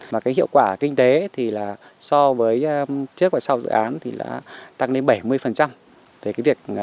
mà cái hiệu quả kinh tế thì là so với trước và sau dự án thì đã tăng đến bảy mươi